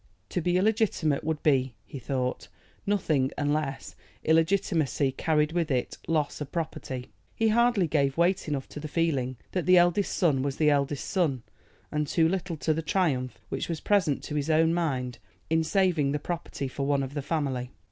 To be illegitimate would be, he thought, nothing unless illegitimacy carried with it loss of property. He hardly gave weight enough to the feeling that the eldest son was the eldest son, and too little to the triumph which was present to his own mind in saving the property for one of the family.